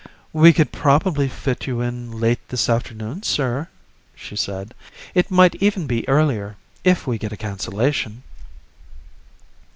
"We could probably fit you in late this afternoon, sir," she said. "It might even be earlier, if we get a cancellation."